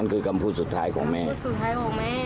นั่นคือกำพูดสุดท้ายของแม่กำพูดสุดท้ายของแม่